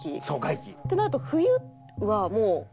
ってなると冬はもう。